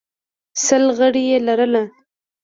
سل غړي یې لرل